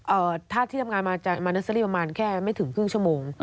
ท่าที่ทำงานมาจากมาเนอร์เซอรี่ประมาณแค่ไม่ถึงครึ่งชั่วโมง